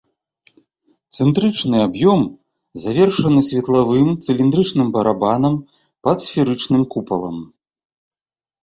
Цэнтрычны аб'ём завершаны светлавым цыліндрычным барабанам пад сферычным купалам.